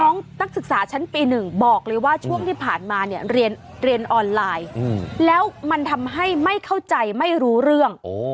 นักศึกษาชั้นปี๑บอกเลยว่าช่วงที่ผ่านมาเนี่ยเรียนออนไลน์แล้วมันทำให้ไม่เข้าใจไม่รู้เรื่อง